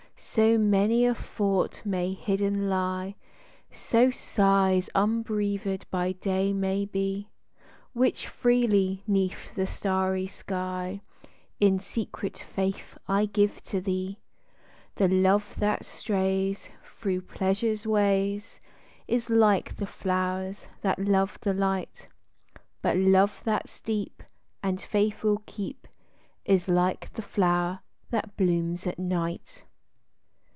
So many a thought may hidden lie, So sighs unbreath'd by day may he, Which, freely, 'neath the starry sky In secret faith I give to thee :— The love that strays Thro' pleasure's ways, Is like the flow'rs that love the light ; But love that's deep, And faith will keep, Is like the flow'r that blooms at night. THE FLOWER OF NIGHT.